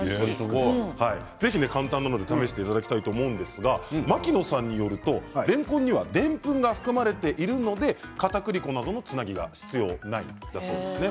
簡単なので試していただきたいと思いますが牧野さんによると、れんこんにはでんぷんが含まれているのでかたくり粉などのつなぎが必要ないんだそうです。